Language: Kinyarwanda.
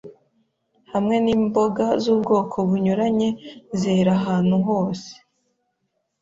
hamwe n’imboga z’ubwoko bunyuranye zera ahantu hose,